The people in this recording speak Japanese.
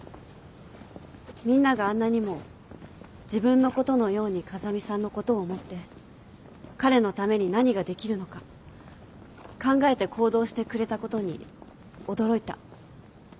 みんながあんなにも自分のことのように風見さんのことを思って彼のために何ができるのか考えて行動してくれたことに驚いた。